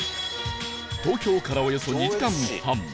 東京からおよそ２時間半